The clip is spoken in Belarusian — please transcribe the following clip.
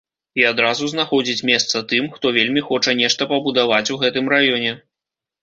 І адразу знаходзіць месца тым, хто вельмі хоча нешта пабудаваць у гэтым раёне.